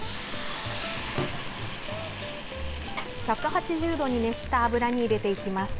１８０度に熱した油に入れていきます。